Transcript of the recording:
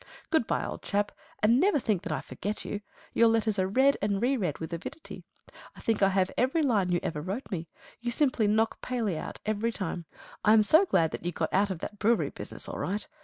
Good bye, old chap, and never think that I forget you. Your letters are read and re read with avidity. I think I have every line you ever wrote me. You simply knock Paley out every time. I am so glad that you got out of that brewery business all right.